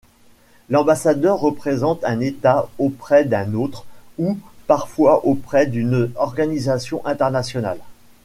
L'ambassadeur représente un État auprès d'un autre, ou parfois auprès d'une organisation internationale.